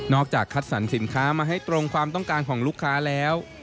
จัดคัดสรรสินค้ามาให้ตรงความต้องการของลูกค้าแล้ว